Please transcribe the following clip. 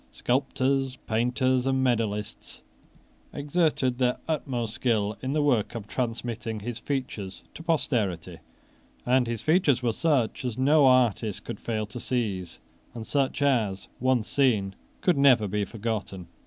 Sculptors, painters, and medallists exerted their utmost skill in the work of transmitting his features to posterity; and his features were such as no artist could fail to seize, and such as, once seen, could never be forgotten.